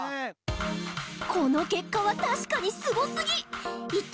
この結果は確かにスゴすぎ！